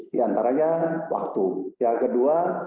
diantaranya waktu yang kedua